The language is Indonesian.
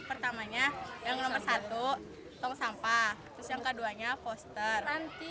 pertamanya ujian ada angin yang nomor satu tong sampah yang keduanya poster